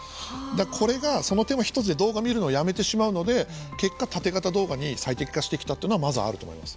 これが、その手間一つで動画を見るのをやめてしまうので結果、タテ型動画に最適化してきたというのはまずあると思います。